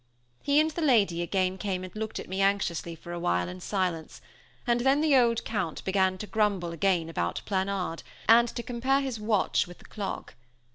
He and the lady again came and looked at me anxiously for a while, in silence; and then the old Count began to grumble again about Planard, and to compare his watch with the clock.